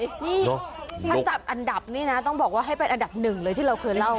นี่ถ้าจัดอันดับนี่นะต้องบอกว่าให้เป็นอันดับหนึ่งเลยที่เราเคยเล่า